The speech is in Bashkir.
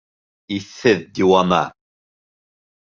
Иҫһеҙ диуана!